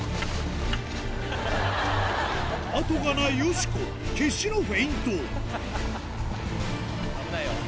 後がないよしこ決死のフェイント危ないよ。